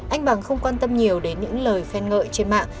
anh bằng không quan tâm nhiều đến những lời khen ngợi trên mạng